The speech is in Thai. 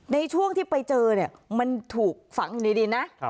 ในช่วงที่ไปเจอเนี่ยมันถูกฝังอยู่ในดินนะ